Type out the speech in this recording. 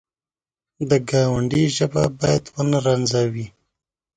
د ګاونډي ژبه باید ونه رنځوي